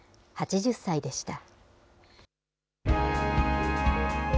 ８０歳でした。